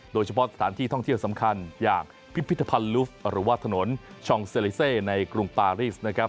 โดยเฉพาะสถานที่ท่องเที่ยวสำคัญอย่างพิพิธภัณฑ์ลูฟหรือว่าถนนชองเซลิเซในกรุงปารีสนะครับ